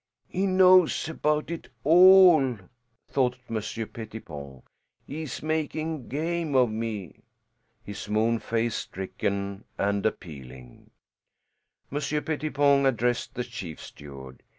"He knows about it all," thought Monsieur Pettipon. "He is making game of me." His moon face stricken and appealing, Monsieur Pettipon addressed the chief steward.